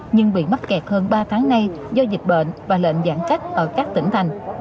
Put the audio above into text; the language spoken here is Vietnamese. nhưng bị mắc kẹt hơn ba tháng nay do dịch bệnh và lệnh giãn cách ở các tỉnh thành